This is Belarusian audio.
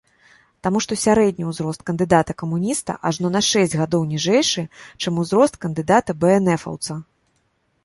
Таму што сярэдні ўзрост кандыдата-камуніста ажно на шэсць гадоў ніжэйшы, чым узрост кандыдата-бээнэфаўца.